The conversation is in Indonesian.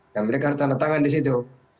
dan mereka harus tanda tangan di situ